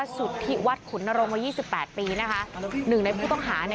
น้อน๒๐๐๐ตกลงกันออกมากครับ